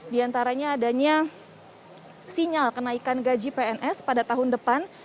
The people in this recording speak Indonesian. di antaranya adanya sinyal kenaikan gaji pns pada tahun depan